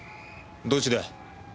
どっちだ？